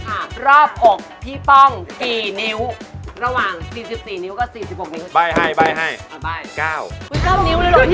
แม่มันเดินไม่ได้ระหว่างคุณผู้ชม